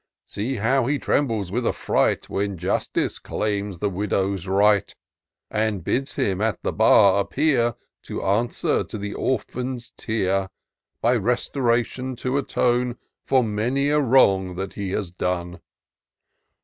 See how he trembles with affiight. When Justice claims the widow's right. And bids him at the bar appear, To answer to the orphan's tear, By restoration to atone For many a wrong that he has done